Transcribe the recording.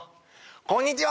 こんにちは